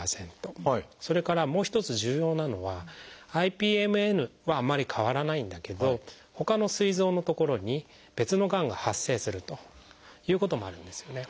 それからもう一つ重要なのはＩＰＭＮはあんまり変わらないんだけどほかのすい臓の所に別のがんが発生するということもあるんですよね。